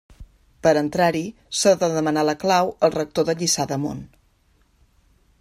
Per entrar-hi, s'ha de demanar la clau al rector de Lliçà d'Amunt.